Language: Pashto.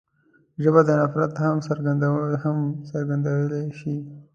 ژبه د نفرت هم څرګندوی شي